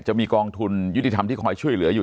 จะมีกองทุนยุติธรรมที่คอยช่วยเหลืออยู่